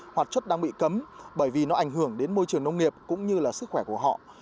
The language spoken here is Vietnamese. hoạt chất đang bị cấm bởi vì nó ảnh hưởng đến môi trường nông nghiệp cũng như là sức khỏe của họ